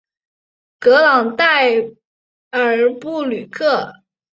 格朗代尔布吕克。